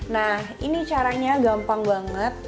nah ini caranya gampang banget